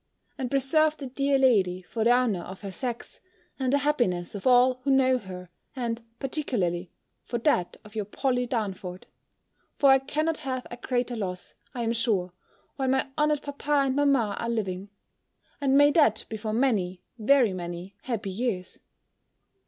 and preserve the dear lady, for the honour of her sex, and the happiness of all who know her, and particularly for that of your Polly Darnford; for I cannot have a greater loss, I am sure, while my honoured papa and mamma are living: and may that be for many, very many, happy years!